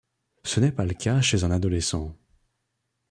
Ce n'est pas le cas chez un adolescent.